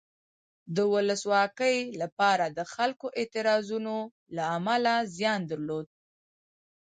د ولسواکۍ لپاره د خلکو اعتراضونو له امله زیان درلود.